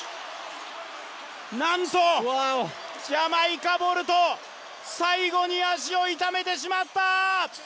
なんと、ジャマイカ・ボルト、最後に足を痛めてしまった。